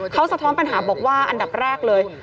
เขาสะท้อนปัญหาบอกว่าอันดับแรกเลย